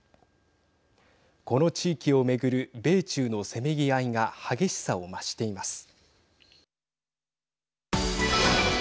この地域を巡る米中のせめぎ合いが激しさを増しています。